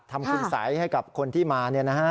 ทำคุณศัยให้กับคนที่มาเนี่ยนะฮะ